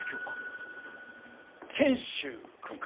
賢秀君か。